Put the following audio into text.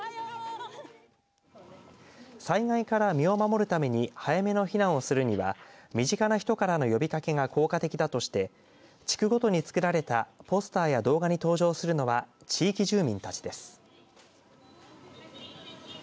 災害から身を守るために早めの避難をするには身近な人からの呼びかけが効果的だとして地区ごとにつくられたポスターや動画に登場するのは地域住民たちです。